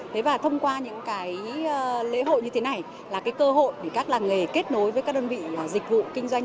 thế và thông qua những cái lễ hội như thế này là cái cơ hội để các làng nghề kết nối với các đơn vị dịch vụ kinh doanh